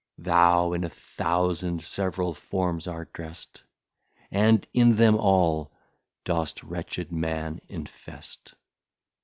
Thou in a thousand sev'ral Forms are drest, And in them all dost Wretched Man infest.